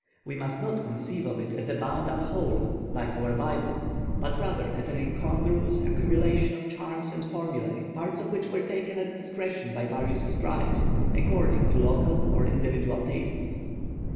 We must not conceive of it as a bound up whole, like our Bible; but rather as an incongruous accumulation of charms and formulae, parts of which were taken at discretion by various scribes according to local or individual tastes.